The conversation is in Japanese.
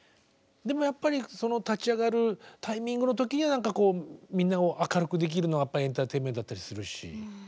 でもやっぱりその立ち上がるタイミングの時にはみんなを明るくできるのはやっぱりエンターテインメントだったりするし。